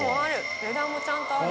値段もちゃんとある。